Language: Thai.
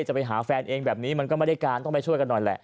จะไปหาแฟนเองแบบนี้มันก็ไม่ได้การต้องไปช่วยกันหน่อยแหละ